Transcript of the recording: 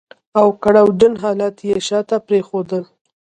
او کړاو جن حالات يې شاته پرېښودل.